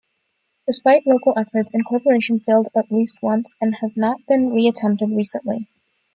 Despite local efforts, incorporation failed at least once and has not been re-attempted recently.